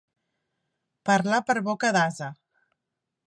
Parlar per boca d'ase.